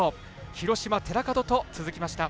廣島、寺門と続きました。